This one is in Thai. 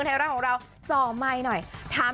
สวัสดีหน่อยข้าม